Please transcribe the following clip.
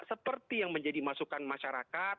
seperti yang menjadi masukan masyarakat